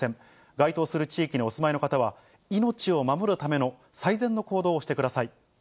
該当する地域にお住まいの方は、命を守るための最善の行動をしてください。